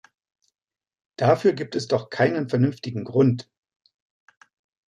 Dafür gibt es doch keinen vernünftigen Grund!